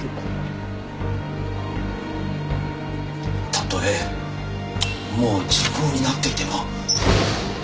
たとえもう時効になっていても。